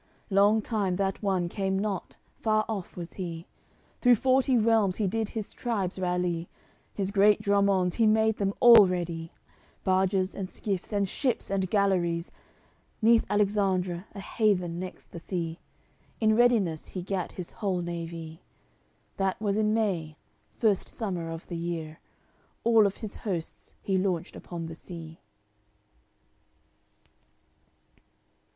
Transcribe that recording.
Long time that one came not, far off was he. Through forty realms he did his tribes rally; His great dromonds, he made them all ready, Barges and skiffs and ships and galleries; Neath Alexandre, a haven next the sea, In readiness he gat his whole navy. That was in May, first summer of the year, All of his hosts he launched upon the sea.